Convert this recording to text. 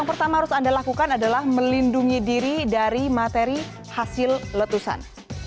yang pertama harus anda lakukan adalah melindungi diri dari materi hasil letusan